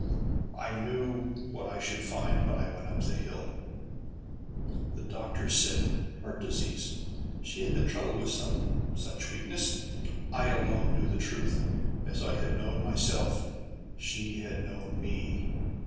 "I knew what I should find when I went up the hill. "The doctors said 'heart disease.' She had been troubled with some such weakness. I alone knew the truth! As I had known myself, she had known me!